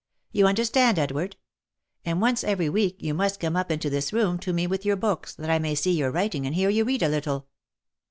You understand, Edward ? And once every week you must come up into this room to me with your books, that I may see your writing and hear you read a little."